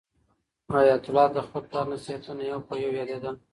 حیات الله ته د خپل پلار نصیحتونه یو په یو یادېدل.